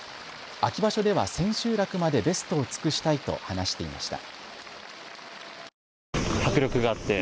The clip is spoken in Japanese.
秋場所では千秋楽までベストを尽くしたいと話していました。